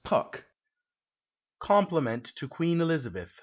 17 COMPLIMENT TO QUEEN ELIZABETH.